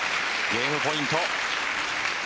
ゲームポイント。